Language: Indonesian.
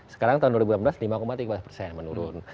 sekarang tahun dua ribu enam belas lima tiga belas persen menurun